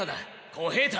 小平太！